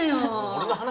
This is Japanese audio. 俺の話？